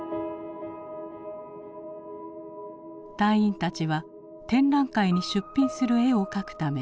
隊員たちは展覧会に出品する絵を描くため